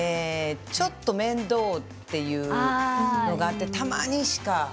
ちょっと面倒というのがあってたまにしか。